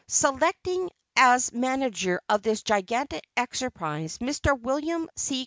Selecting as manager of this gigantic enterprise Mr. William C.